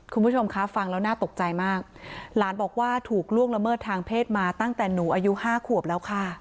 คุณผู้ชมคะฟังแล้วน่าตกใจมากหลานบอกว่าถูกล่วงละเมิดทางเพศมาตั้งแต่หนูอายุห้าขวบแล้วค่ะ